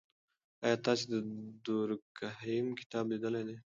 آیا تاسې د دورکهایم کتاب لیدلی دی؟